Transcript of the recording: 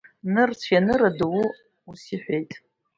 Нырцә ианыр, адоу ус иҳәит…